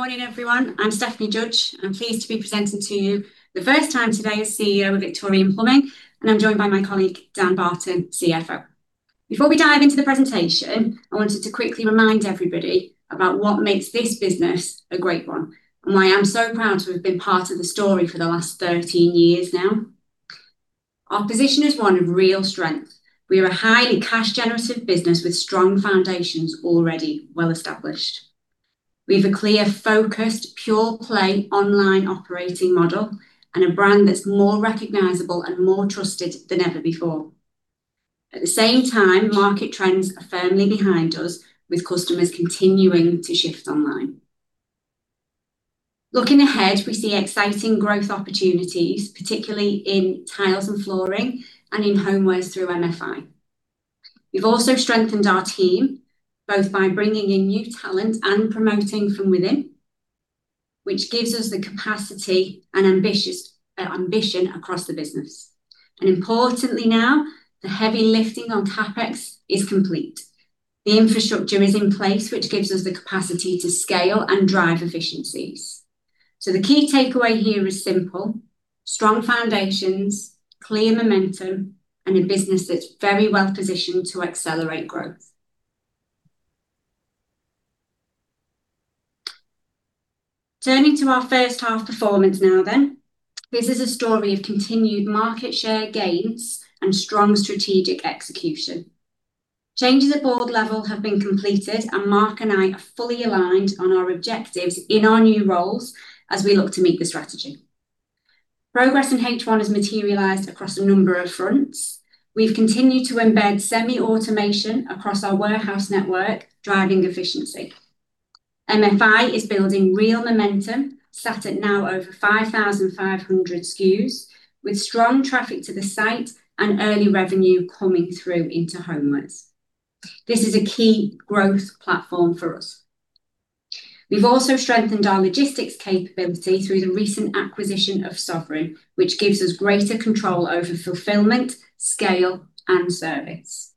Good morning, everyone. I'm Stephnie Judge. I'm pleased to be presenting to you the first time today as CEO of Victorian Plumbing, and I'm joined by my colleague Dan Barton, CFO. Before we dive into the presentation, I wanted to quickly remind everybody about what makes this business a great one and why I'm so proud to have been part of the story for the last 13 years now. Our position is one of real strength. We are a highly cash-generative business with strong foundations already well-established. We have a clear, focused, pure-play online operating model and a brand that's more recognizable and more trusted than ever before. At the same time, market trends are firmly behind us, with customers continuing to shift online. Looking ahead, we see exciting growth opportunities, particularly in tiles and flooring and in homewares through MFI. We've also strengthened our team, both by bringing in new talent and promoting from within, which gives us the capacity and ambition across the business. Importantly now, the heavy lifting on CapEx is complete. The infrastructure is in place, which gives us the capacity to scale and drive efficiencies. The key takeaway here is simple. Strong foundations, clear momentum, and a business that's very well-positioned to accelerate growth. Turning to our first half performance now. This is a story of continued market share gains and strong strategic execution. Changes at board level have been completed, and Mark and I are fully aligned on our objectives in our new roles as we look to meet the strategy. Progress in H1 has materialized across a number of fronts. We've continued to embed semi-automation across our warehouse network, driving efficiency. MFI is building real momentum, sat at now over 5,500 SKUs, with strong traffic to the site and early revenue coming through into homewares. This is a key growth platform for us. We've also strengthened our logistics capability through the recent acquisition of Sovereign, which gives us greater control over fulfillment, scale, and service.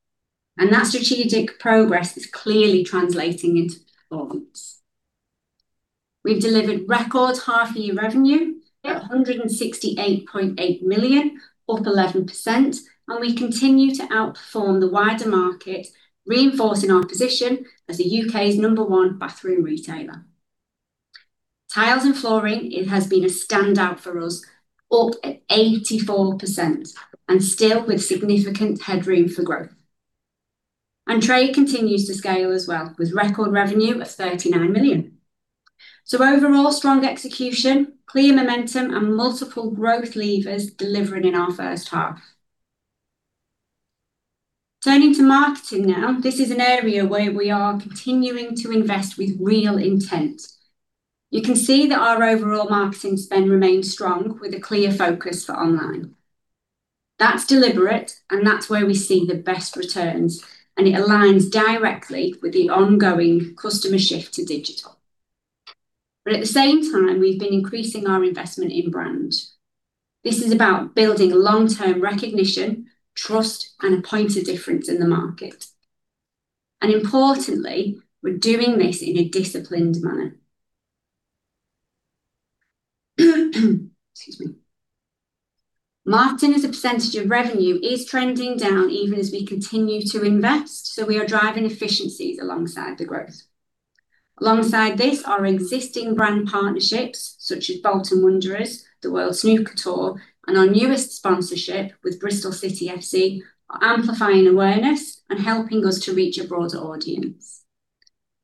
That strategic progress is clearly translating into performance. We've delivered record half-year revenue at 168.8 million, up 11%, and we continue to outperform the wider market, reinforcing our position as the U.K.'s number one bathroom retailer. Tiles and flooring, it has been a standout for us, up at 84% and still with significant headroom for growth. Trade continues to scale as well, with record revenue of 39 million. Overall, strong execution, clear momentum, and multiple growth levers delivering in our first half. Turning to marketing now. This is an area where we are continuing to invest with real intent. You can see that our overall marketing spend remains strong, with a clear focus for online. That's deliberate, and that's where we see the best returns, and it aligns directly with the ongoing customer shift to digital. At the same time, we've been increasing our investment in brand. This is about building long-term recognition, trust, and a point of difference in the market. Importantly, we're doing this in a disciplined manner. Excuse me. Marketing as a percentage of revenue is trending down even as we continue to invest, so we are driving efficiencies alongside the growth. Alongside this, our existing brand partnerships such as Bolton Wanderers, the World Snooker Tour, and our newest sponsorship with Bristol City FC, are amplifying awareness and helping us to reach a broader audience.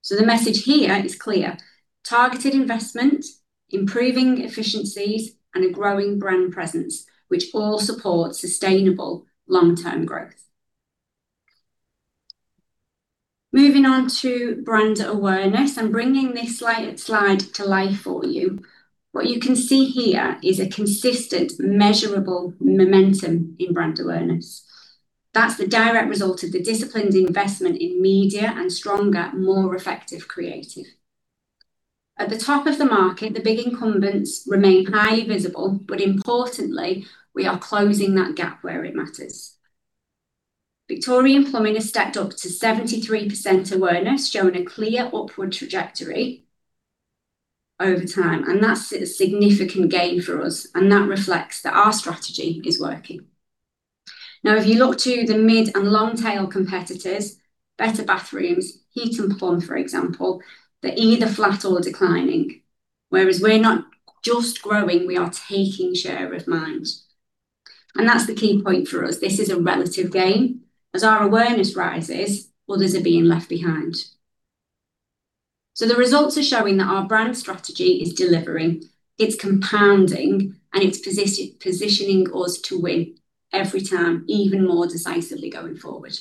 The message here is clear: targeted investment, improving efficiencies, and a growing brand presence, which all support sustainable long-term growth. Moving on to brand awareness. I'm bringing this slide to life for you. What you can see here is a consistent, measurable momentum in brand awareness. That's the direct result of the disciplined investment in media and stronger, more effective creative. At the top of the market, the big incumbents remain highly visible, but importantly, we are closing that gap where it matters. Victorian Plumbing has stepped up to 73% awareness, showing a clear upward trajectory over time, and that's a significant gain for us, and that reflects that our strategy is working. If you look to the mid and long-tail competitors, Better Bathrooms, Victoria Plum, for example, they're either flat or declining. We're not just growing, we are taking share of mind. That's the key point for us. This is a relative game. As our awareness rises, others are being left behind. The results are showing that our brand strategy is delivering, it's compounding, and it's positioning us to win every time, even more decisively going forward.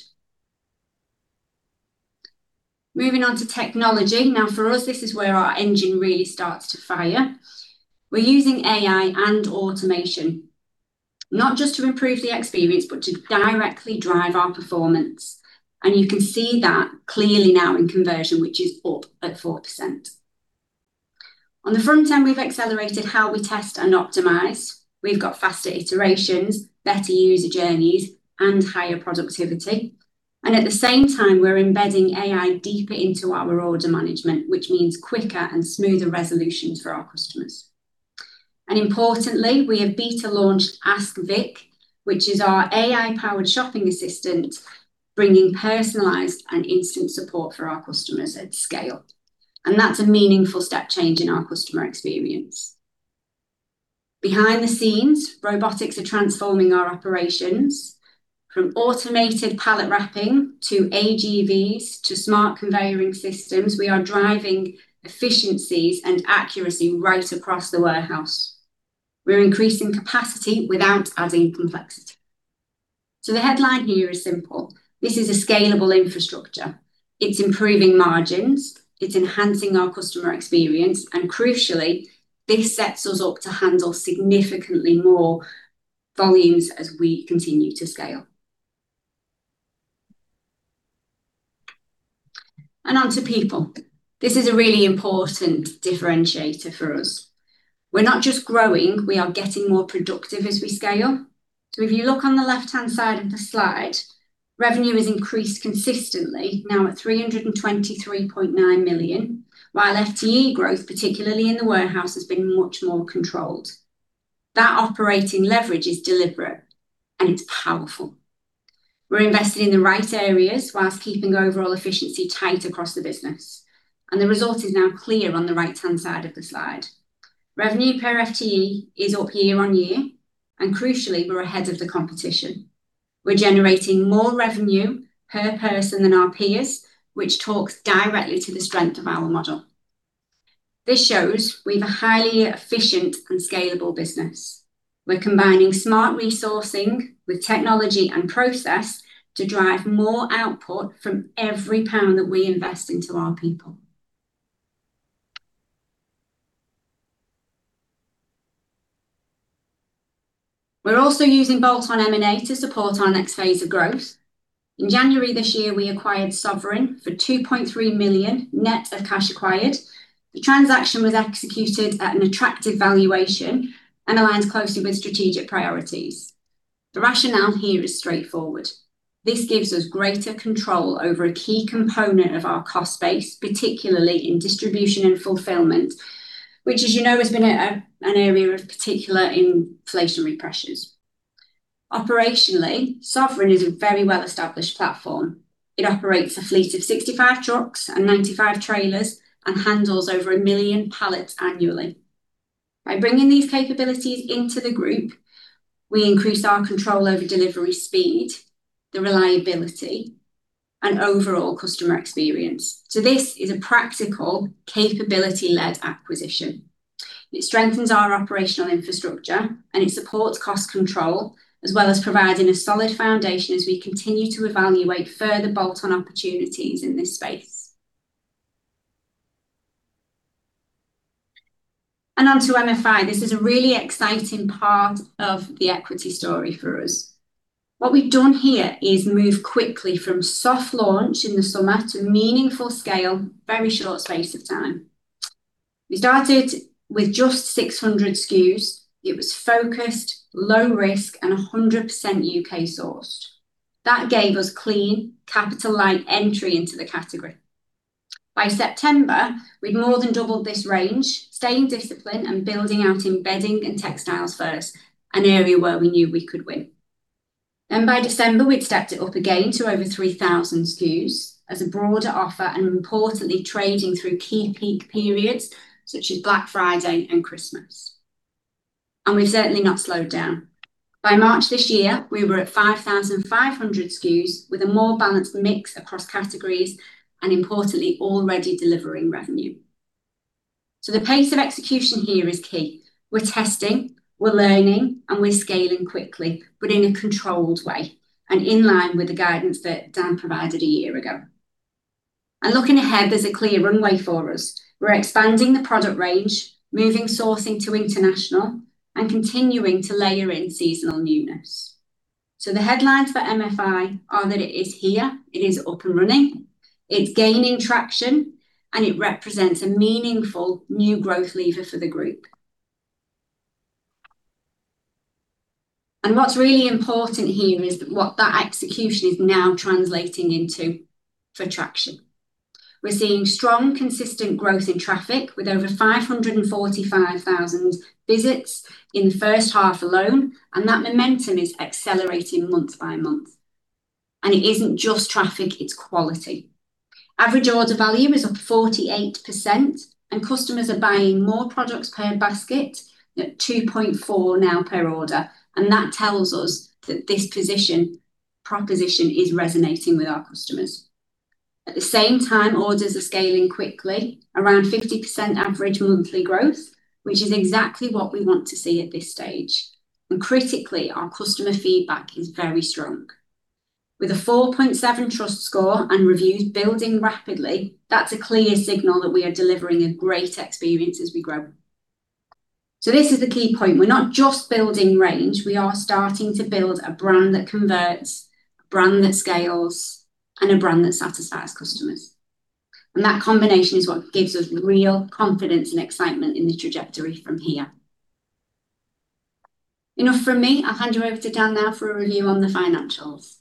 Moving on to technology. For us, this is where our engine really starts to fire. We're using AI and automation, not just to improve the experience, but to directly drive our performance. You can see that clearly now in conversion, which is up at 4%. On the front end, we've accelerated how we test and optimize. We've got faster iterations, better user journeys, and higher productivity. At the same time, we're embedding AI deeper into our order management, which means quicker and smoother resolutions for our customers. Importantly, we have beta launched Ask Vic, which is our AI-powered shopping assistant, bringing personalized and instant support for our customers at scale. That's a meaningful step change in our customer experience. Behind the scenes, robotics are transforming our operations. From automated pallet wrapping to AGVs to smart conveying systems, we are driving efficiencies and accuracy right across the warehouse. We're increasing capacity without adding complexity. The headline here is simple. This is a scalable infrastructure. It's improving margins, it's enhancing our customer experience, and crucially, this sets us up to handle significantly more volumes as we continue to scale. Onto people. This is a really important differentiator for us. We're not just growing, we are getting more productive as we scale. If you look on the left-hand side of the slide, revenue has increased consistently, now at 323.9 million, while FTE growth, particularly in the warehouse, has been much more controlled. That operating leverage is deliberate and it's powerful. We're invested in the right areas while keeping overall efficiency tight across the business, and the result is now clear on the right-hand side of the slide. Revenue per FTE is up year-on-year, and crucially, we're ahead of the competition. We're generating more revenue per person than our peers, which talks directly to the strength of our model. This shows we've a highly efficient and scalable business. We're combining smart resourcing with technology and process to drive more output from every pound that we invest into our people. We're also using bolt-on M&A to support our next phase of growth. In January this year, we acquired Sovereign for 2.3 million, net of cash acquired. The transaction was executed at an attractive valuation and aligns closely with strategic priorities. The rationale here is straightforward. This gives us greater control over a key component of our cost base, particularly in distribution and fulfillment, which as you know has been an area of particular inflationary pressures. Operationally, Sovereign is a very well-established platform. It operates a fleet of 65 trucks and 95 trailers and handles over 1 million pallets annually. By bringing these capabilities into the group, we increase our control over delivery speed, the reliability, and overall customer experience. This is a practical capability-led acquisition. It strengthens our operational infrastructure and it supports cost control, as well as providing a solid foundation as we continue to evaluate further bolt-on opportunities in this space. Onto MFI. This is a really exciting part of the equity story for us. What we've done here is move quickly from soft launch in the summer to meaningful scale, very short space of time. We started with just 600 SKUs. It was focused, low risk, and 100% U.K. sourced. That gave us clean capital-light entry into the category. By September, we'd more than doubled this range, staying disciplined and building out in bedding and textiles first, an area where we knew we could win. By December, we'd stepped it up again to over 3,000 SKUs as a broader offer, and importantly, trading through key peak periods such as Black Friday and Christmas. We've certainly not slowed down. By March this year, we were at 5,500 SKUs with a more balanced mix across categories, and importantly, already delivering revenue. The pace of execution here is key. We're testing, we're learning, we're scaling quickly, but in a controlled way, in line with the guidance that Dan provided a year ago. Looking ahead, there's a clear runway for us. We're expanding the product range, moving sourcing to international, continuing to layer in seasonal newness. The headlines for MFI are that it is here, it is up and running, it's gaining traction, it represents a meaningful new growth lever for the group. What's really important here is what that execution is now translating into for traction. We're seeing strong, consistent growth in traffic with over 545,000 visits in the first half alone, that momentum is accelerating month by month. It isn't just traffic, it's quality. Average order value is up 48%. Customers are buying more products per basket at 2.4 now per order. That tells us that this proposition is resonating with our customers. At the same time, orders are scaling quickly, around 50% average monthly growth, which is exactly what we want to see at this stage. Critically, our customer feedback is very strong. With a 4.7 trust score and reviews building rapidly, that's a clear signal that we are delivering a great experience as we grow. This is the key point. We're not just building range, we are starting to build a brand that converts, a brand that scales, a brand that satisfies customers. That combination is what gives us real confidence and excitement in the trajectory from here. Enough from me. I'll hand you over to Dan now for a review on the financials.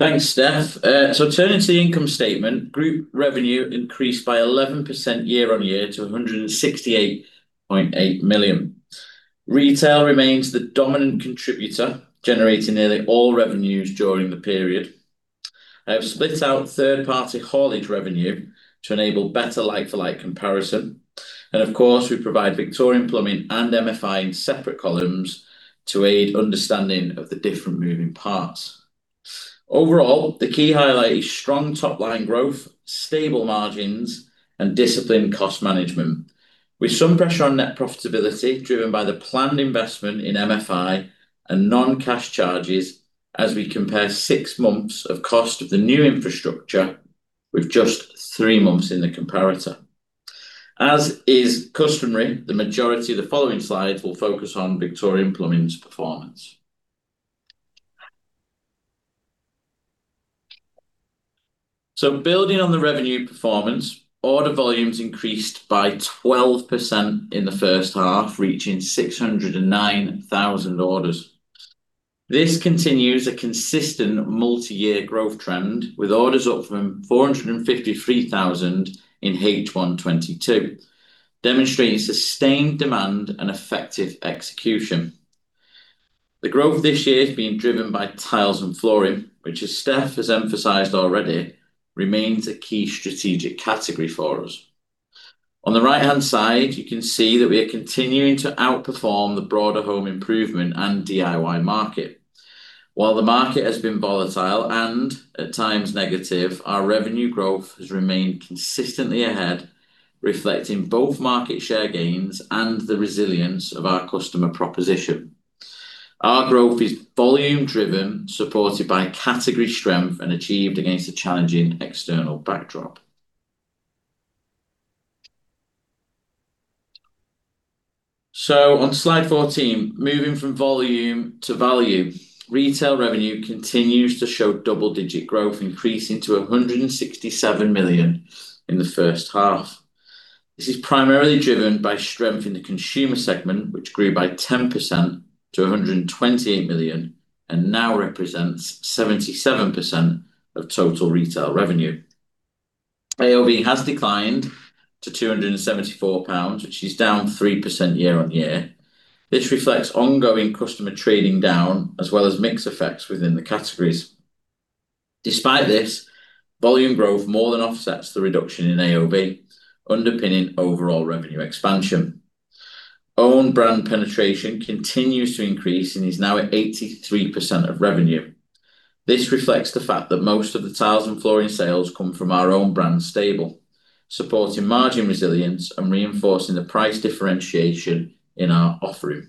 Thanks, Steph. Turning to the income statement, group revenue increased by 11% year-on-year to 168.8 million. Retail remains the dominant contributor, generating nearly all revenues during the period. I have split out third party haulage revenue to enable better like-for-like comparison. Of course, we provide Victorian Plumbing and MFI in separate columns to aid understanding of the different moving parts. Overall, the key highlight is strong top line growth, stable margins and disciplined cost management, with some pressure on net profitability driven by the planned investment in MFI and non-cash charges as we compare six months of cost of the new infrastructure with just three months in the comparator. As is customary, the majority of the following slides will focus on Victorian Plumbing's performance. Building on the revenue performance, order volumes increased by 12% in the first half, reaching 609,000 orders. This continues a consistent multi-year growth trend, with orders up from 453,000 in H1 2022, demonstrating sustained demand and effective execution. The growth this year is being driven by tiles and flooring, which as Steph has emphasized already, remains a key strategic category for us. On the right-hand side, you can see that we are continuing to outperform the broader home improvement and DIY market. While the market has been volatile and at times negative, our revenue growth has remained consistently ahead, reflecting both market share gains and the resilience of our customer proposition. Our growth is volume driven, supported by category strength and achieved against a challenging external backdrop. On slide 14, moving from volume to value, retail revenue continues to show double digit growth, increasing to 167 million in the first half. This is primarily driven by strength in the consumer segment, which grew by 10% to 128 million and now represents 77% of total retail revenue. AOV has declined to 274 pounds, which is down 3% year-on-year. This reflects ongoing customer trading down as well as mix effects within the categories. Despite this, volume growth more than offsets the reduction in AOV underpinning overall revenue expansion. Own brand penetration continues to increase and is now at 83% of revenue. This reflects the fact that most of the tiles and flooring sales come from our own brand stable, supporting margin resilience and reinforcing the price differentiation in our offering.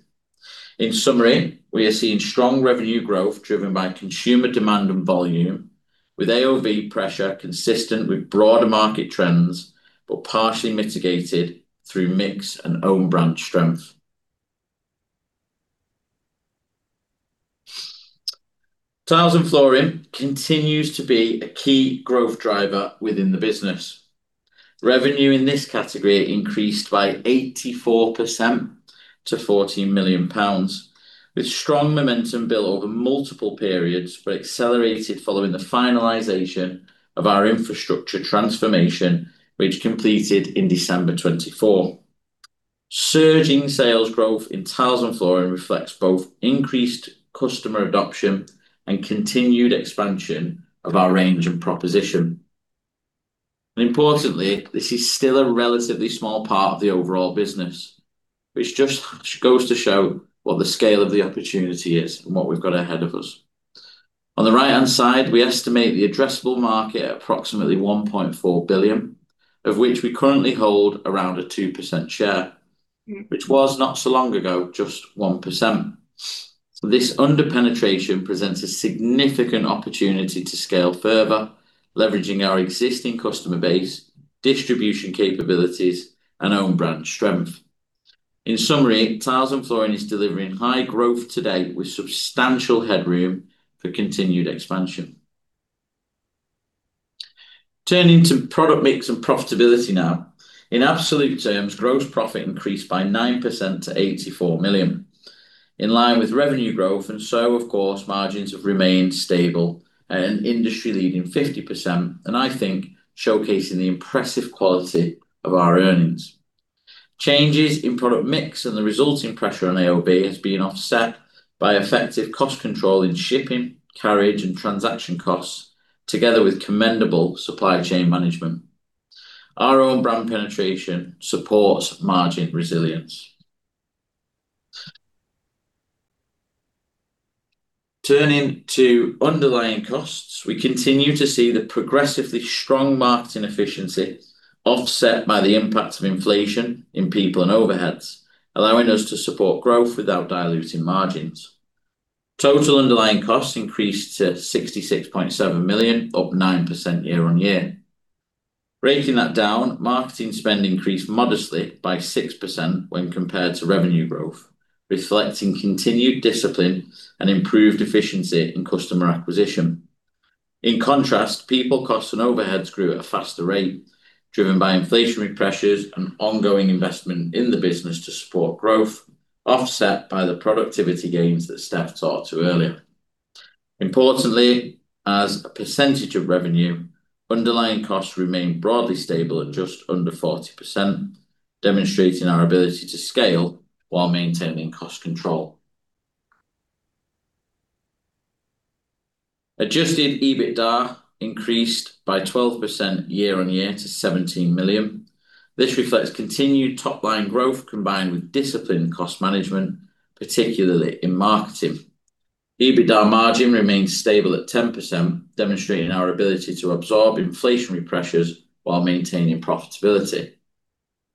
In summary, we are seeing strong revenue growth driven by consumer demand and volume, with AOV pressure consistent with broader market trends, but partially mitigated through mix and own brand strength. Tiles and flooring continues to be a key growth driver within the business. Revenue in this category increased by 84% to GBP 14 million, with strong momentum built over multiple periods. Accelerated following the finalization of our infrastructure transformation, which completed in December 2024. Surging sales growth in tiles and flooring reflects both increased customer adoption and continued expansion of our range and proposition. Importantly, this is still a relatively small part of the overall business, which just goes to show what the scale of the opportunity is and what we've got ahead of us. On the right-hand side, we estimate the addressable market at approximately 1.4 billion, of which we currently hold around a 2% share, which was not so long ago, just 1%. This under-penetration presents a significant opportunity to scale further, leveraging our existing customer base, distribution capabilities and own brand strength. In summary, tiles and flooring is delivering high growth today with substantial headroom for continued expansion. Turning to product mix and profitability now. In absolute terms, gross profit increased by 9% to 84 million, in line with revenue growth, of course margins have remained stable at an industry leading 50%, I think showcasing the impressive quality of our earnings. Changes in product mix and the resulting pressure on AOV has been offset by effective cost control in shipping, carriage and transaction costs, together with commendable supply chain management. Our own brand penetration supports margin resilience. Turning to underlying costs, we continue to see the progressively strong marketing efficiency offset by the impact of inflation in people and overheads, allowing us to support growth without diluting margins. Total underlying costs increased to 66.7 million, up 9% year-on-year. Breaking that down, marketing spend increased modestly by 6% when compared to revenue growth, reflecting continued discipline and improved efficiency in customer acquisition. In contrast, people costs and overheads grew at a faster rate, driven by inflationary pressures and ongoing investment in the business to support growth, offset by the productivity gains that Steph talked to earlier. Importantly, as a percentage of revenue, underlying costs remain broadly stable at just under 40%, demonstrating our ability to scale while maintaining cost control. Adjusted EBITDA increased by 12% year-on-year to 17 million. This reflects continued top-line growth combined with disciplined cost management, particularly in marketing. EBITDA margin remains stable at 10%, demonstrating our ability to absorb inflationary pressures while maintaining profitability.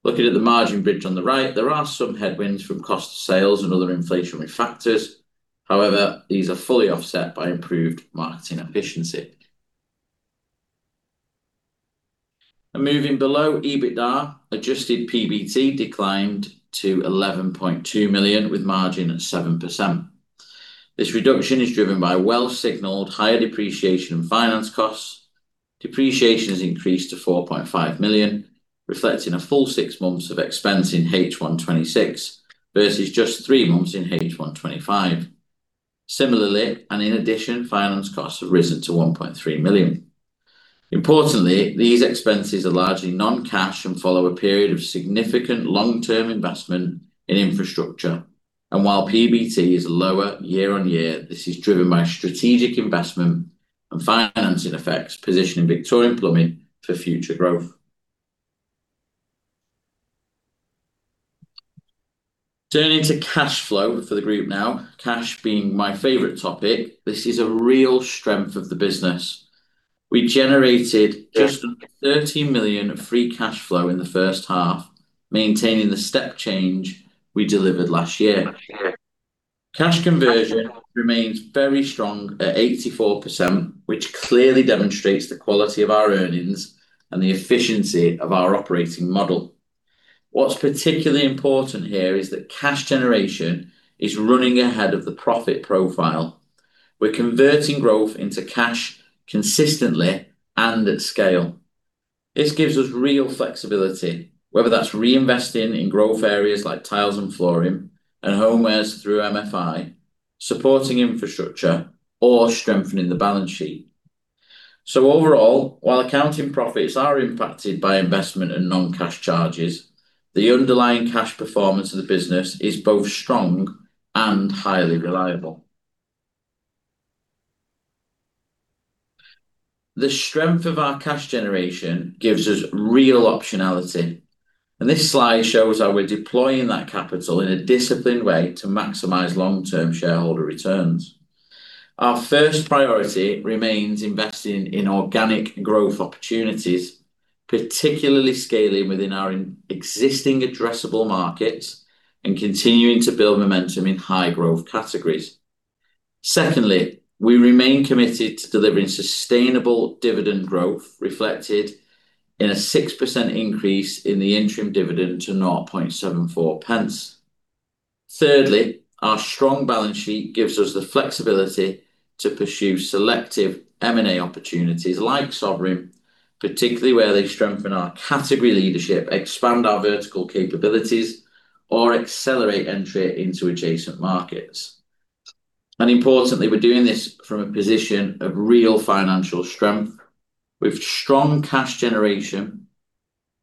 Looking at the margin bridge on the right, there are some headwinds from cost of sales and other inflationary factors. However, these are fully offset by improved marketing efficiency. Moving below EBITDA, adjusted PBT declined to 11.2 million with margin at 7%. This reduction is driven by well-signaled higher depreciation and finance costs. Depreciation has increased to 4.5 million, reflecting a full six months of expense in H1 2026 versus just three months in H1 2025. Similarly, and in addition, finance costs have risen to 1.3 million. Importantly, these expenses are largely non-cash and follow a period of significant long-term investment in infrastructure. While PBT is lower year-on-year, this is driven by strategic investment and financing effects, positioning Victorian Plumbing for future growth. Turning to cash flow for the group now, cash being my favorite topic, this is a real strength of the business. We generated just under 13 million of free cash flow in the first half, maintaining the step change we delivered last year. Cash conversion remains very strong at 84%, which clearly demonstrates the quality of our earnings and the efficiency of our operating model. What's particularly important here is that cash generation is running ahead of the profit profile. We're converting growth into cash consistently and at scale. This gives us real flexibility, whether that's reinvesting in growth areas like tiles and flooring and homewares through MFI, supporting infrastructure, or strengthening the balance sheet. Overall, while accounting profits are impacted by investment and non-cash charges, the underlying cash performance of the business is both strong and highly reliable. The strength of our cash generation gives us real optionality, and this slide shows how we're deploying that capital in a disciplined way to maximize long-term shareholder returns. Our first priority remains investing in organic growth opportunities, particularly scaling within our existing addressable markets and continuing to build momentum in high growth categories. Secondly, we remain committed to delivering sustainable dividend growth, reflected in a 6% increase in the interim dividend to 0.74. Thirdly, our strong balance sheet gives us the flexibility to pursue selective M&A opportunities like Sovereign, particularly where they strengthen our category leadership, expand our vertical capabilities, or accelerate entry into adjacent markets. Importantly, we're doing this from a position of real financial strength with strong cash generation,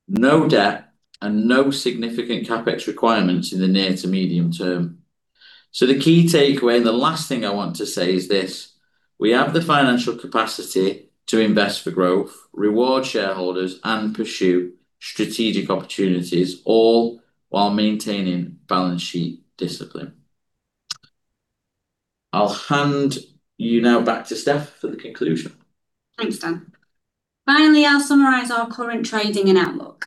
no debt, and no significant CapEx requirements in the near to medium term. The key takeaway, and the last thing I want to say is this: We have the financial capacity to invest for growth, reward shareholders, and pursue strategic opportunities, all while maintaining balance sheet discipline. I'll hand you now back to Steph for the conclusion. Thanks, Dan. Finally, I'll summarize our current trading and outlook.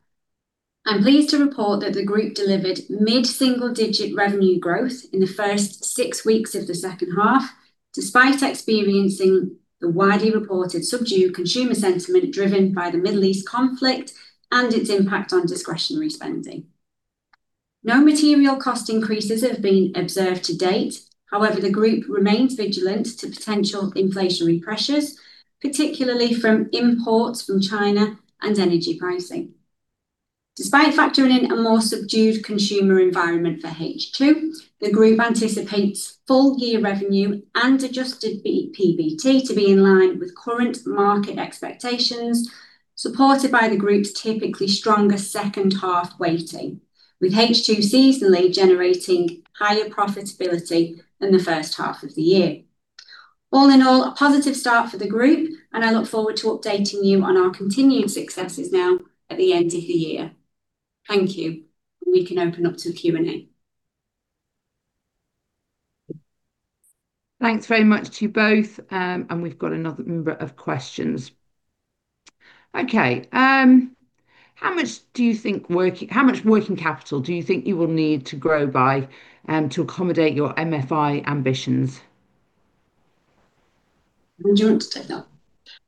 I'm pleased to report that the group delivered mid-single-digit revenue growth in the first six weeks of the second half, despite experiencing the widely reported subdued consumer sentiment driven by the Middle East conflict and its impact on discretionary spending. No material cost increases have been observed to date. However, the group remains vigilant to potential inflationary pressures, particularly from imports from China and energy pricing. Despite factoring in a more subdued consumer environment for H2, the group anticipates full year revenue and adjusted PBT to be in line with current market expectations, supported by the group's typically stronger second half weighting, with H2 seasonally generating higher profitability than the first half of the year. All in all, a positive start for the group, and I look forward to updating you on our continued successes now at the end of the year. Thank you. We can open up to Q&A. Thanks very much to you both, we've got a number of questions. Okay. How much working capital do you think you will need to grow by to accommodate your MFI ambitions? Dan, do you want to take that?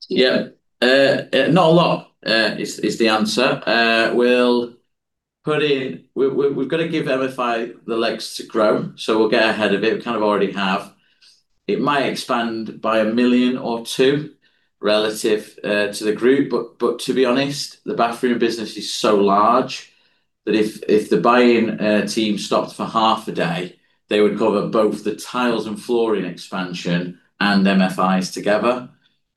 Yeah. Not a lot is the answer. We've got to give MFI the legs to grow, we'll get ahead of it. We kind of already have. It might expand by 1 million or 2 million relative to the group. To be honest, the bathroom business is so large that if the buying team stopped for half a day, they would cover both the tiles and flooring expansion and MFI's together.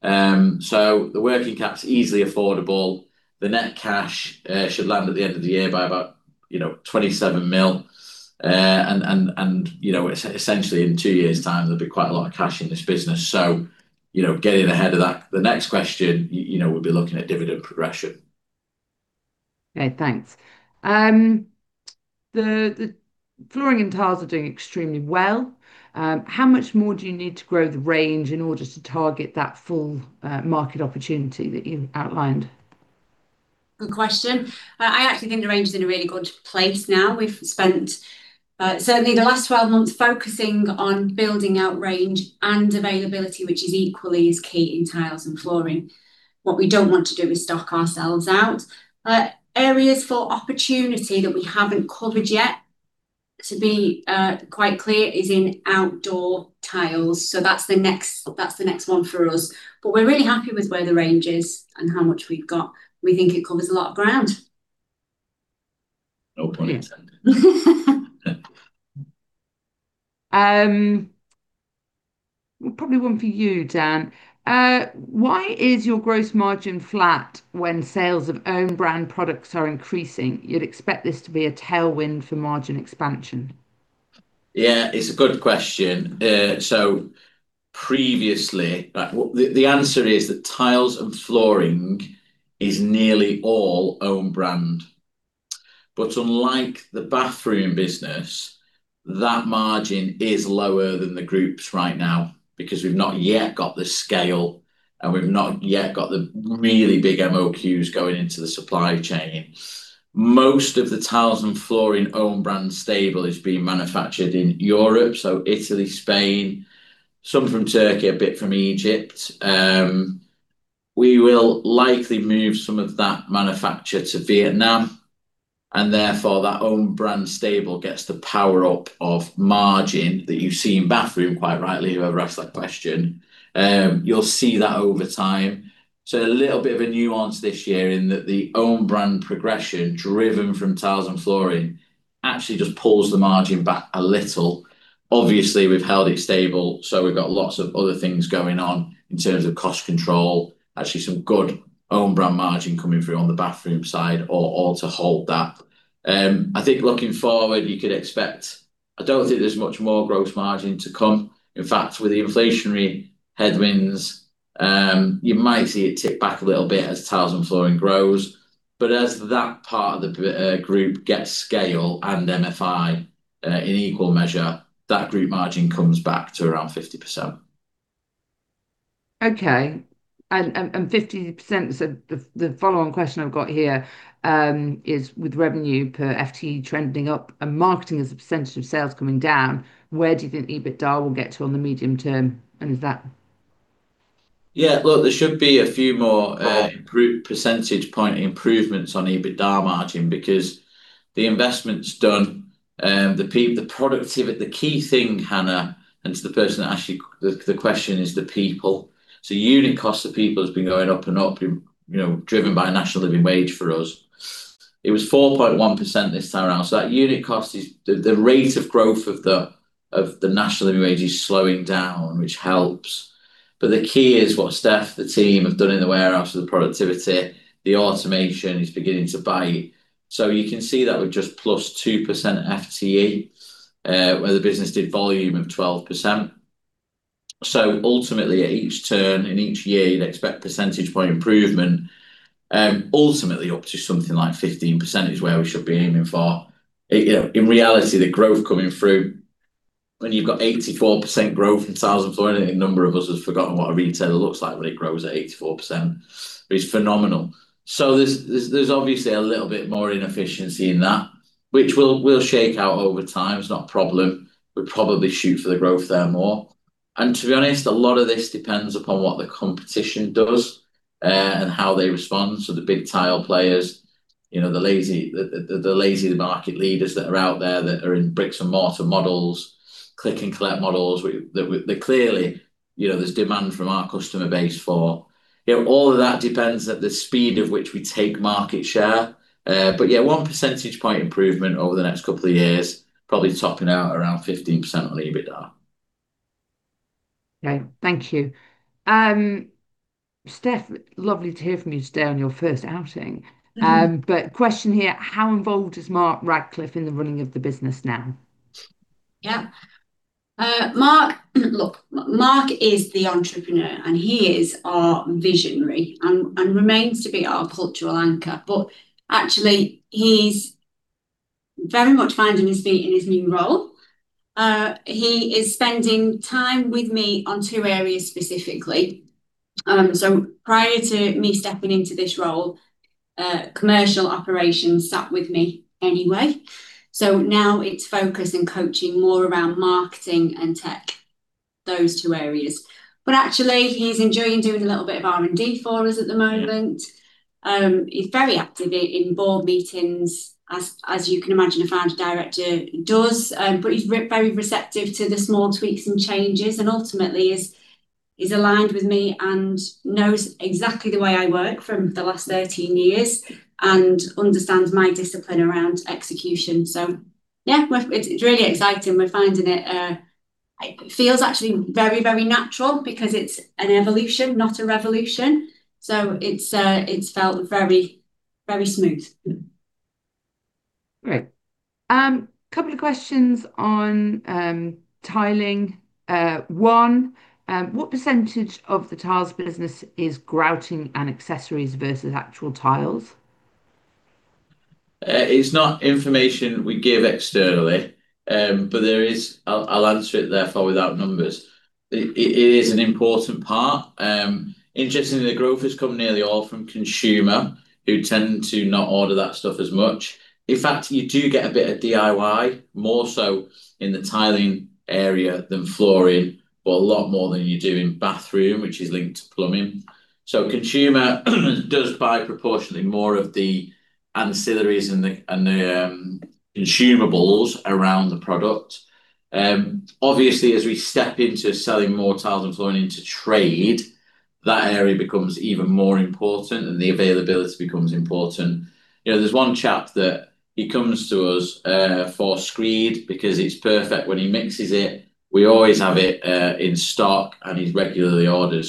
The working cap is easily affordable. The net cash should land at the end of the year by about 27 million. Essentially in two years' time, there will be quite a lot of cash in this business. Getting ahead of that, the next question, we will be looking at dividend progression. Okay, thanks. The flooring and tiles are doing extremely well. How much more do you need to grow the range in order to target that full market opportunity that you've outlined? Good question. I actually think the range is in a really good place now. We've spent certainly the last 12 months focusing on building out range and availability, which is equally as key in tiles and flooring. What we don't want to do is stock ourselves out. Areas for opportunity that we haven't covered yet, to be quite clear, is in outdoor tiles. That's the next one for us. We're really happy with where the range is and how much we've got. We think it covers a lot of ground. No pun intended. Probably one for you, Dan. Why is your gross margin flat when sales of own brand products are increasing? You'd expect this to be a tailwind for margin expansion. Yeah, it's a good question. Previously, the answer is that tiles and flooring is nearly all own brand. Unlike the bathroom business, that margin is lower than the Group's right now because we've not yet got the scale, and we've not yet got the really big MOQs going into the supply chain. Most of the tiles and flooring own brand stable is being manufactured in Europe, so Italy, Spain, some from Turkey, a bit from Egypt. We will likely move some of that manufacture to Vietnam, and therefore that own brand stable gets the power up of margin that you see in bathroom, quite rightly, whoever asked that question. You'll see that over time. A little bit of a nuance this year in that the own brand progression driven from tiles and flooring actually just pulls the margin back a little. Obviously, we've held it stable, so we've got lots of other things going on in terms of cost control. Actually some good own brand margin coming through on the bathroom side all to halt that. I think looking forward, I don't think there's much more gross margin to come. In fact, with the inflationary headwinds, you might see it tip back a little bit as tiles and flooring grows. As that part of the group gets scale and MFI in equal measure, that group margin comes back to around 50%. Okay. 50%, the follow-on question I've got here is with revenue per FTE trending up and marketing as a percent of sales coming down, where do you think EBITDA will get to on the medium term? Yeah, look, there should be a few more group percentage point improvements on EBITDA margin because the investment's done. The key thing, Hannah, and to the person that asked you the question, is the people. Unit cost of people has been going up and up, driven by National Living Wage for us. It was 4.1% this time around, so that unit cost is the rate of growth of the National Living Wage is slowing down, which helps. The key is what Steph, the team, have done in the warehouse with the productivity. The automation is beginning to bite. You can see that with just plus 2% FTE, where the business did volume of 12%. Ultimately, at each turn, in each year, you'd expect percentage point improvement. Ultimately, up to something like 15% is where we should be aiming for. In reality, the growth coming through when you've got 84% growth in tiles and flooring, I think a number of us have forgotten what a retailer looks like when it grows at 84%, but it's phenomenal. There's obviously a little bit more inefficiency in that, which we'll shake out over time. It's not a problem. We'll probably shoot for the growth there more. To be honest, a lot of this depends upon what the competition does and how they respond. The big tile players, the lazy market leaders that are out there that are in bricks and mortar models, click and collect models, that clearly there's demand from our customer base for. All of that depends at the speed of which we take market share. Yeah, 1 percentage point improvement over the next couple of years, probably topping out around 15% on EBITDA. Okay. Thank you. Steph, lovely to hear from you today on your first outing. Question here, how involved is Mark Radcliffe in the running of the business now? Mark is the entrepreneur, and he is our visionary, and remains to be our cultural anchor. Actually, he's very much finding his feet in his new role. He is spending time with me on two areas specifically. Prior to me stepping into this role, commercial operations sat with me anyway. Now it's focus and coaching more around marketing and tech, those two areas. Actually, he's enjoying doing a little bit of R&D for us at the moment. Yeah. He's very active in board meetings, as you can imagine a founder director does. He's very receptive to the small tweaks and changes, and ultimately is aligned with me and knows exactly the way I work from the last 13 years, and understands my discipline around execution. Yeah, it's really exciting. We're finding it feels actually very natural because it's an evolution, not a revolution. It's felt very smooth. Great. Couple of questions on tiling. One, what percentage of the tiles business is grouting and accessories versus actual tiles? It's not information we give externally. I'll answer it therefore without numbers. It is an important part. Interestingly, the growth has come nearly all from consumer who tend to not order that stuff as much. In fact, you do get a bit of DIY, more so in the tiling area than flooring, but a lot more than you do in bathroom, which is linked to plumbing. Consumer does buy proportionally more of the ancillaries and the consumables around the product. Obviously, as we step into selling more tiles and flooring into trade, that area becomes even more important, and the availability becomes important. There's one chap that he comes to us for screed because it's perfect when he mixes it. We always have it in stock, and he's regularly ordered.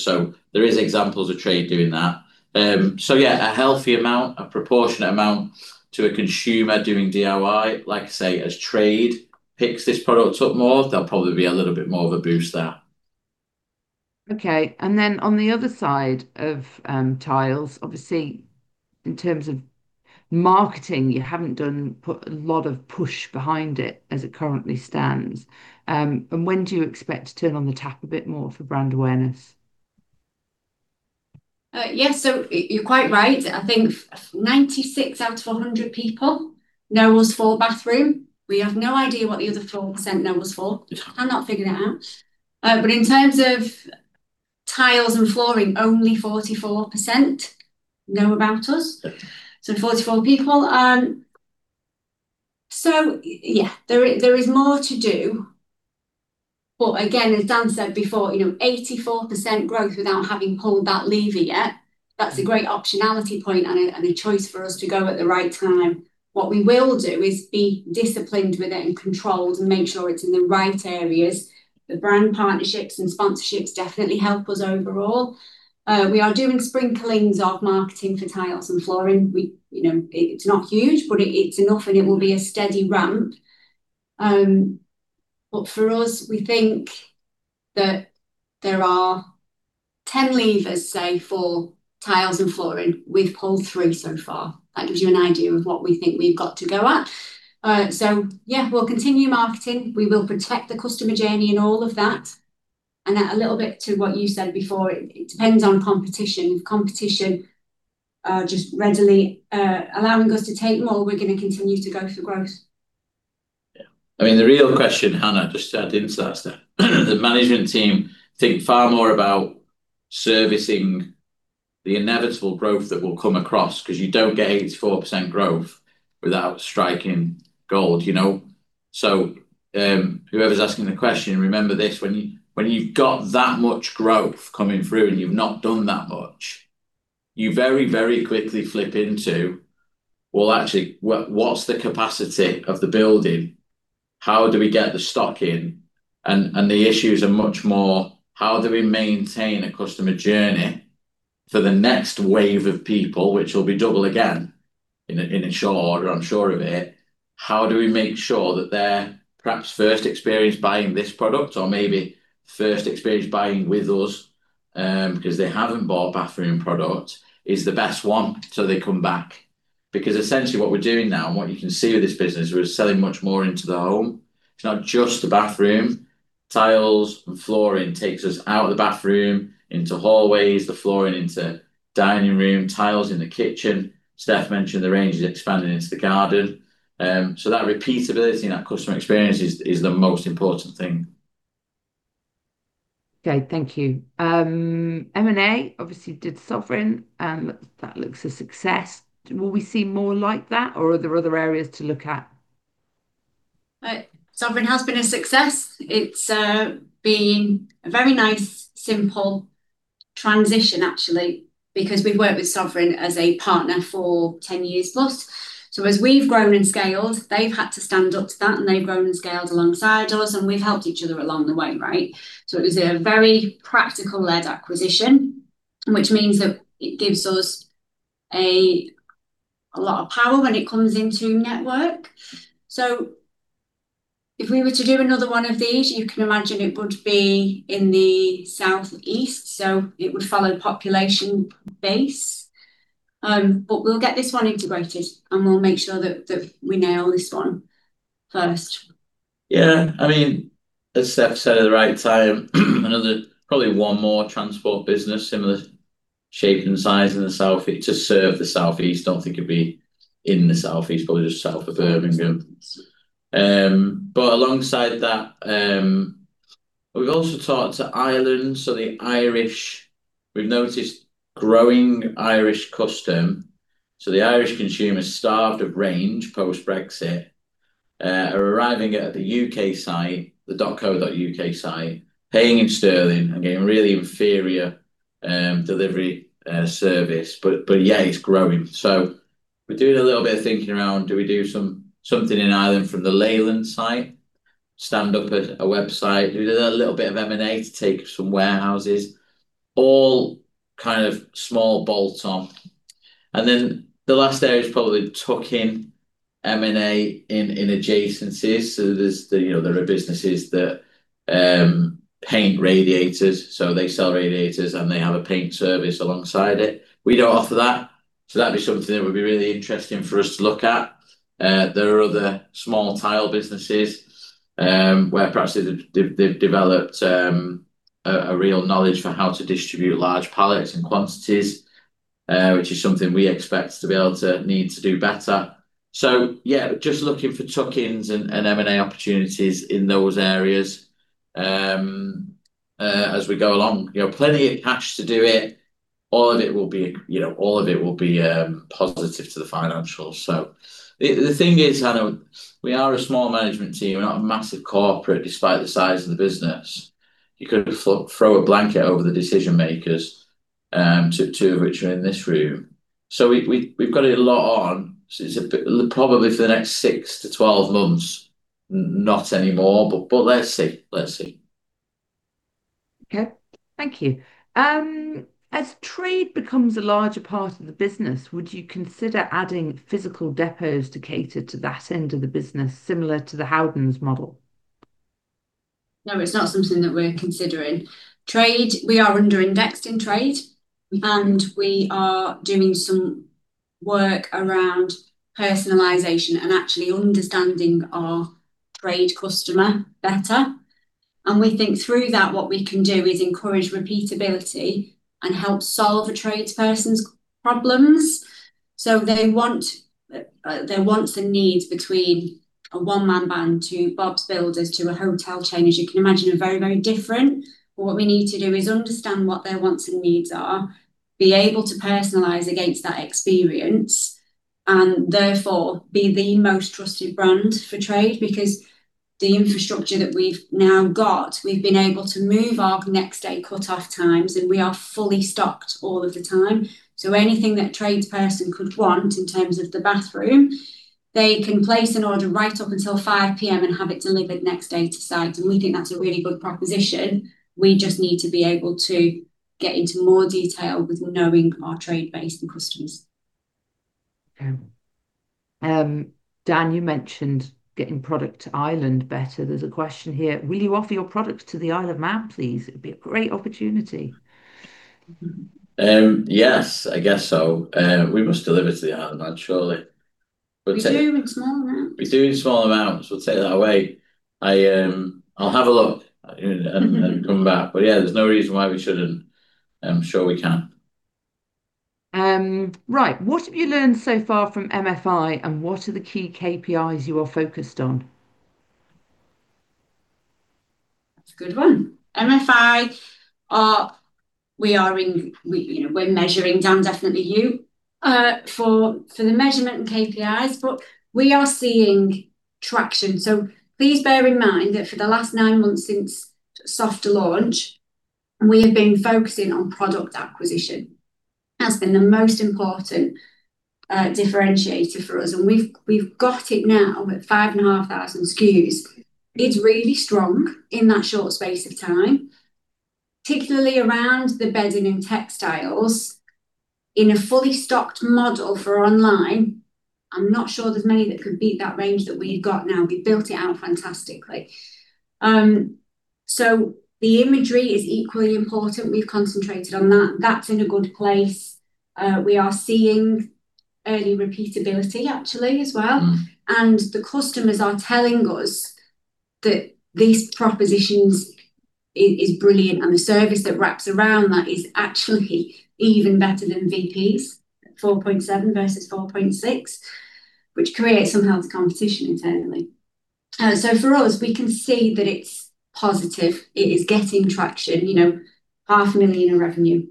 There is examples of trade doing that. Yeah, a healthy amount, a proportionate amount to a consumer doing DIY. Like I say, as trade picks this product up more, there'll probably be a little bit more of a boost there. On the other side of tiles, obviously in terms of marketing, you haven't put a lot of push behind it as it currently stands. When do you expect to turn on the tap a bit more for brand awareness? You're quite right. I think 96 out of 100 people know us for bathroom. We have no idea what the other 4% know us for. I've not figured it out. In terms of tiles and flooring, only 44% know about us. 44 people. Yeah, there is more to do. Again, as Dan said before, 84% growth without having pulled that lever yet, that's a great optionality point and a choice for us to go at the right time. What we will do is be disciplined with it and controlled and make sure it's in the right areas. The brand partnerships and sponsorships definitely help us overall. We are doing sprinklings of marketing for tiles and flooring. It's not huge, but it's enough, and it will be a steady ramp. For us, we think that there are 10 levers, say for tiles and flooring. We've pulled three so far. That gives you an idea of what we think we've got to go at. Yeah, we'll continue marketing. We will protect the customer journey and all of that. A little bit to what you said before, it depends on competition. If competition just readily allowing us to take more, we're going to continue to go for growth. Yeah. The real question, Hannah, just to add into that, Steph, the management team think far more about servicing the inevitable growth that we'll come across because you don't get 84% growth without striking gold. Whoever's asking the question, remember this, when you've got that much growth coming through and you've not done that much, you very quickly flip into, well, actually, what's the capacity of the building? How do we get the stock in? The issues are much more how do we maintain a customer journey for the next wave of people, which will be double again in a short order, I'm sure of it. How do we make sure that their perhaps first experience buying this product or maybe first experience buying with us, because they haven't bought bathroom product, is the best one so they come back? Essentially what we're doing now, and what you can see with this business, we're selling much more into the home. It's not just the bathroom. Tiles and flooring takes us out the bathroom into hallways. The flooring into dining room, tiles in the kitchen. Steph mentioned the range is expanding into the garden. That repeatability and that customer experience is the most important thing. Okay. Thank you. M&A obviously did Sovereign, and that looks a success. Will we see more like that or are there other areas to look at? Sovereign has been a success. It's been a very nice, simple transition actually because we've worked with Sovereign as a partner for 10 years-plus. As we've grown and scaled, they've had to stand up to that, and they've grown and scaled alongside us, and we've helped each other along the way. It was a very practical-led acquisition, which means that it gives us a lot of power when it comes into network. If we were to do another one of these, you can imagine it would be in the southeast. It would follow population base. We'll get this one integrated, and we'll make sure that we nail this one first. As Steph said, at the right time, another probably one more transport business similar shape and size in the South to serve the Southeast. Don't think it'd be in the Southeast, probably just south of Birmingham. Alongside that, we've also talked to Ireland. The Irish, we've noticed growing Irish custom. The Irish consumer, starved of range post-Brexit, are arriving at the U.K. site, the .co.uk site, paying in sterling and getting really inferior delivery service. It's growing. We're doing a little bit of thinking around do we do something in Ireland from the Leyland site, stand up a website, do a little bit of M&A to take some warehouses, all kind of small bolt-on. The last area is probably tuck-in M&A in adjacencies. There are businesses that paint radiators, so they sell radiators, and they have a paint service alongside it. We don't offer that, so that'd be something that would be really interesting for us to look at. There are other small tile businesses, where perhaps they've developed a real knowledge for how to distribute large pallets and quantities, which is something we expect to be able to need to do better. Yeah, just looking for tuck-ins and M&A opportunities in those areas as we go along. Plenty of cash to do it. All of it will be positive to the financials. The thing is, Hannah, we are a small management team. We're not a massive corporate despite the size of the business. You could throw a blanket over the decision-makers, two of which are in this room. We've got a lot on. Probably for the next 6-12 months, not anymore, but let's see. Okay, thank you. As trade becomes a larger part of the business, would you consider adding physical depots to cater to that end of the business, similar to the Howdens model? It's not something that we're considering. We are under-indexed in trade, and we are doing some work around personalization and actually understanding our trade customer better. We think through that, what we can do is encourage repeatability and help solve a tradesperson's problems. Their wants and needs between a one-man band to Bob's Builders to a hotel chain, as you can imagine, are very different. What we need to do is understand what their wants and needs are, be able to personalize against that experience, and therefore be the most trusted brand for trade. The infrastructure that we've now got, we've been able to move our next-day cutoff times, and we are fully stocked all of the time. Anything that a tradesperson could want in terms of the bathroom, they can place an order right up until 5:00 P.M. and have it delivered next day to site. We think that's a really good proposition. We just need to be able to get into more detail with knowing our trade base and customers. Dan, you mentioned getting product to Ireland better. There's a question here. Will you offer your products to the Isle of Man, please? It'd be a great opportunity. Yes, I guess so. We must deliver to the Isle of Man, surely. We do in small amounts. We do in small amounts. We'll take that away. I'll have a look and come back. Yeah, there's no reason why we shouldn't. I'm sure we can. What have you learned so far from MFI, and what are the key KPIs you are focused on? That's a good one. MFI, we're measuring, Dan, definitely you, for the measurement and KPIs, but we are seeing traction. Please bear in mind that for the last nine months since soft launch, we have been focusing on product acquisition. That's been the most important differentiator for us. We've got it now at 5,500 SKUs. It's really strong in that short space of time, particularly around the bedding and textiles in a fully stocked model for online. I'm not sure there's many that could beat that range that we've got now. We've built it out fantastically. The imagery is equally important. We've concentrated on that. That's in a good place. We are seeing early repeatability actually as well, and the customers are telling us that these propositions is brilliant and the service that wraps around that is actually even better than VP's, 4.7 versus 4.6, which creates some healthy competition internally. For us, we can see that it's positive. It is getting traction. 500,000 in revenue,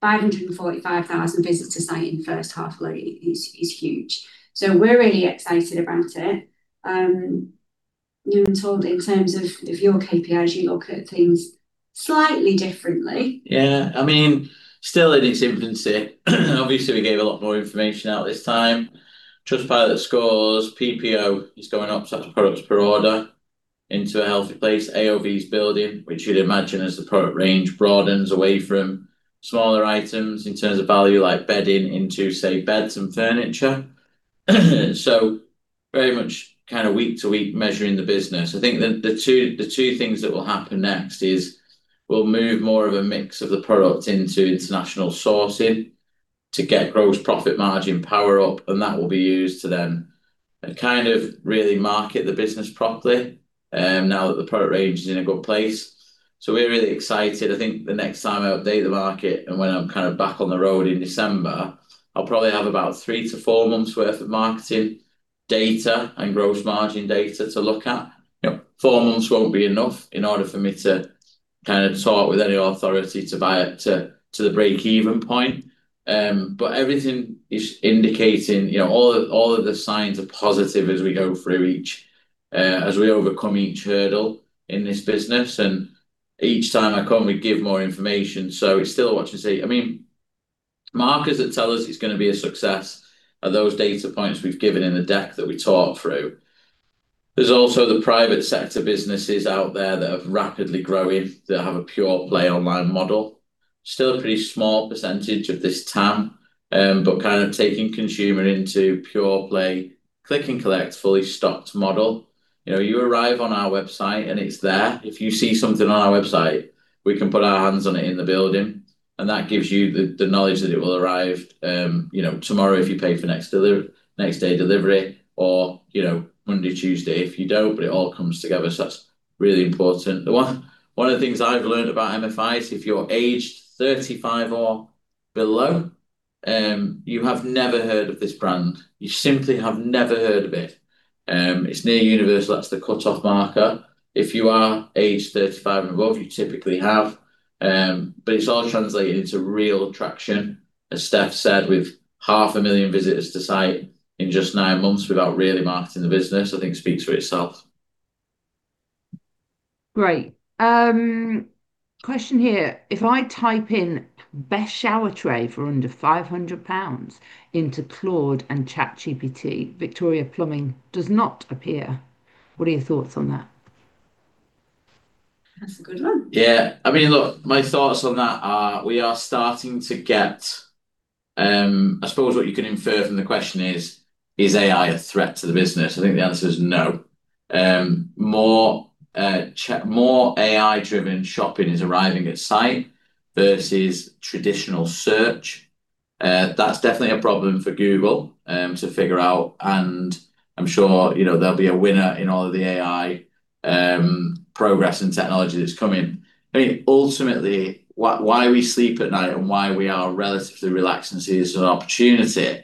545,000 visits to site in the first half already is huge. We're really excited about it. I'm told in terms of your KPIs, you look at things slightly differently. Yeah. Still in its infancy. Obviously, we gave a lot more information out this time. Trustpilot scores, PPO is going up, so that's products per order into a healthy place. AOV building, which you'd imagine as the product range broadens away from smaller items in terms of value, like bedding into, say, beds and furniture. Very much kind of week to week measuring the business. I think the two things that will happen next is we'll move more of a mix of the product into international sourcing to get gross profit margin power up. That will be used to then kind of really market the business properly now that the product range is in a good place. We're really excited. I think the next time I update the market and when I'm kind of back on the road in December, I'll probably have about three to four months worth of marketing data and gross margin data to look at. Four months won't be enough in order for me to kind of talk with any authority to the breakeven point. Everything is indicating, all of the signs are positive as we go through each, as we overcome each hurdle in this business. Each time I come, we give more information. It's still watch and see. Markers that tell us it's going to be a success are those data points we've given in the deck that we talk through. There's also the private sector businesses out there that have rapidly growing, that have a pure play online model. Still a pretty small percentage of this TAM, but kind of taking consumer into pure play, click and collect, fully stocked model. You arrive on our website, and it's there. If you see something on our website, we can put our hands on it in the building, and that gives you the knowledge that it will arrive tomorrow if you pay for next day delivery or Monday, Tuesday if you don't, but it all comes together. That's really important. One of the things that I've learned about MFI is if you're aged 35 or below, you have never heard of this brand. You simply have never heard of it. It's near universal. That's the cutoff marker. If you are aged 35 and above, you typically have. It's all translated into real traction. As Steph said, with 500,000 visitors to site in just nine months without really marketing the business, I think speaks for itself. Great. Question here. "If I type in best shower tray for under 500 pounds into Claude and ChatGPT, Victorian Plumbing does not appear." What are your thoughts on that? That's a good one. Yeah. Look, my thoughts on that are we are starting to get, I suppose what you can infer from the question is, AI a threat to the business? I think the answer is no. More AI-driven shopping is arriving at site versus traditional search. That's definitely a problem for Google to figure out. I'm sure there'll be a winner in all of the AI progress and technology that's coming. Ultimately, why we sleep at night and why we are relatively relaxed and see this as an opportunity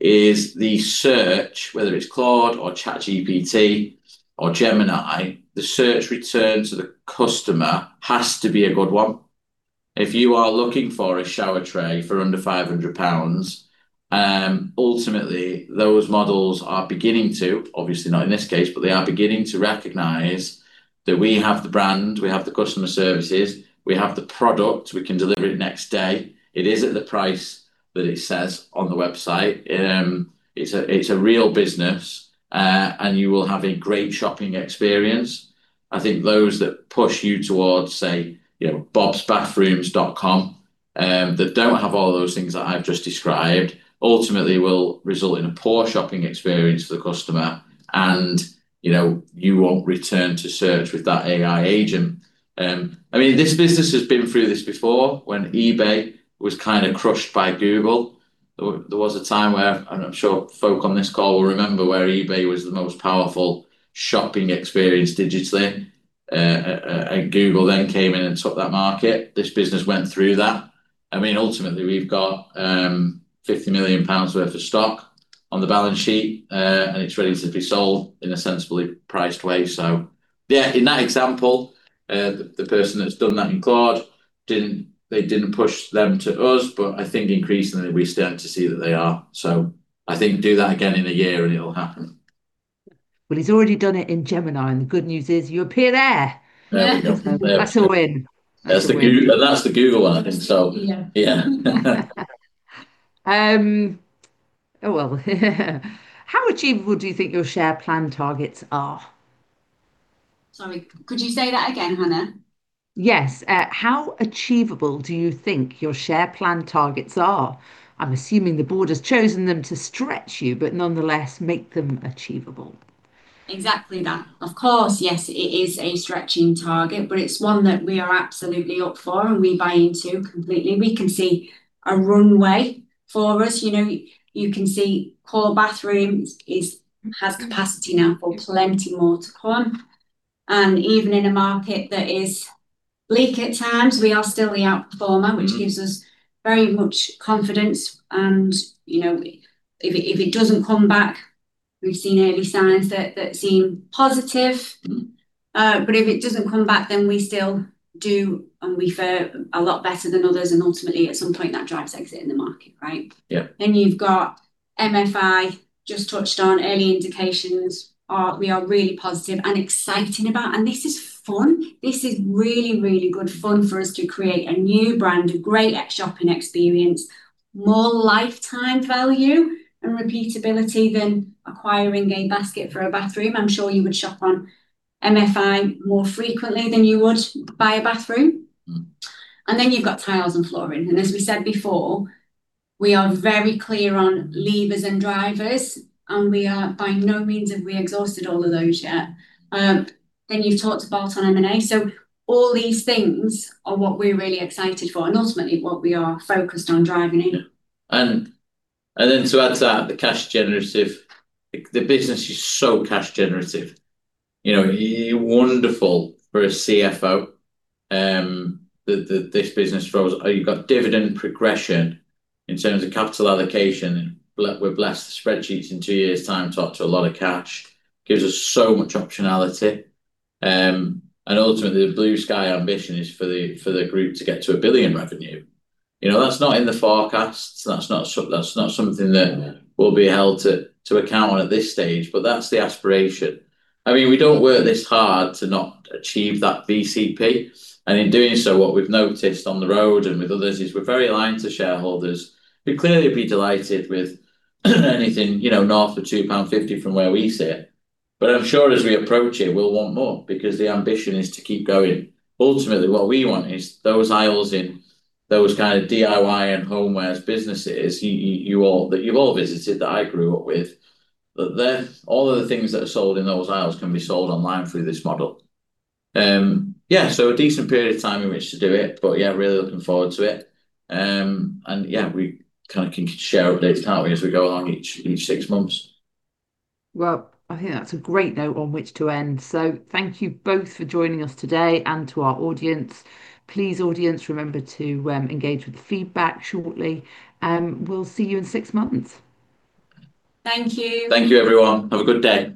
is the search, whether it's Claude or ChatGPT or Gemini, the search return to the customer has to be a good one. If you are looking for a shower tray for under 500 pounds, ultimately, those models are beginning to, obviously not in this case, but they are beginning to recognize that we have the brand, we have the customer services, we have the product, we can deliver it next day. It is at the price that it says on the website. It's a real business, and you will have a great shopping experience. I think those that push you towards, say, bobsbathrooms.com, that don't have all those things that I've just described, ultimately will result in a poor shopping experience for the customer and you won't return to search with that AI agent. This business has been through this before when eBay was kind of crushed by Google. There was a time where, and I'm sure folk on this call will remember, where eBay was the most powerful shopping experience digitally. Google came in and took that market. This business went through that. Ultimately, we've got 50 million pounds worth of stock on the balance sheet, and it's ready to be sold in a sensibly priced way. Yeah, in that example, the person that's done that in Claude, they didn't push them to us, but I think increasingly we're starting to see that they are. I think do that again in a year, and it'll happen. Well, he's already done it in Gemini. The good news is you appear there. There we go. That's a win. That's the Google, I think so. Yeah. Yeah. Oh, well. How achievable do you think your share plan targets are? Sorry. Could you say that again, Hannah? Yes. How achievable do you think your share plan targets are? I'm assuming the board has chosen them to stretch you, but nonetheless, make them achievable. Exactly that. Of course, yes, it is a stretching target, but it's one that we are absolutely up for and we buy into completely. We can see a runway for us. You can see Core Bathrooms has capacity now for plenty more to come. Even in a market that is bleak at times, we are still the outperformer, which gives us very much confidence. If it doesn't come back, we've seen early signs that seem positive. If it doesn't come back, then we still do and we fare a lot better than others, and ultimately at some point, that drives exit in the market, right? Yeah. You've got MFI just touched on early indications we are really positive and excited about. This is fun. This is really good fun for us to create a new brand, a great shopping experience, more lifetime value and repeatability than acquiring a basket for a bathroom. I'm sure you would shop on MFI more frequently than you would buy a bathroom. You've got tiles and flooring, and as we said before, we are very clear on levers and drivers, and by no means have we exhausted all of those yet. You've talked about on M&A. All these things are what we're really excited for and ultimately what we are focused on driving in. Yeah. To add to that, the cash generative, the business is so cash generative. Wonderful for a CFO, this business for us. You've got dividend progression in terms of capital allocation with less spreadsheets in two years' time, talk to a lot of cash. Gives us so much optionality. Ultimately, the blue sky ambition is for the group to get to 1 billion revenue. That's not in the forecast. That's not something that will be held to account on at this stage, that's the aspiration. We don't work this hard to not achieve that VCP, in doing so, what we've noticed on the road and with others is we're very aligned to shareholders who clearly would be delighted with anything north of 2.50 pound from where we sit. I'm sure as we approach it, we'll want more because the ambition is to keep going. Ultimately, what we want is those aisles in those kind of DIY and homewares businesses that you've all visited, that I grew up with, that all of the things that are sold in those aisles can be sold online through this model. Yeah, a decent period of time in which to do it, but yeah, really looking forward to it. Yeah, we kind of can share updates, can't we, as we go along each six months. I think that's a great note on which to end. Thank you both for joining us today and to our audience. Please, audience, remember to engage with the feedback shortly. We'll see you in six months. Thank you. Thank you, everyone. Have a good day.